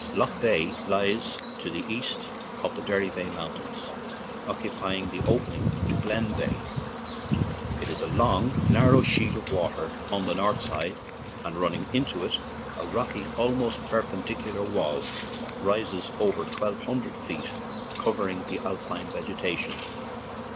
Lough Veigh lies to the east of the Derry veigh Mountains, occupying the opening to Glen Veigh. It is a long, narrow sheet of water; on the north side, and running 28 DUNFANAGHY TO FALLCARRAGH into it, a rocky, almost perpendicular, wall rises to over twelve hundred feet, covered with Alpine vegetation.